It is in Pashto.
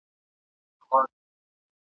ارمانونه یې ګورته وړي دي ..